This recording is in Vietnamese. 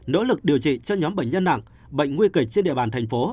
nỗ lực điều trị cho nhóm bệnh nhân nặng bệnh nguy kịch trên địa bàn thành phố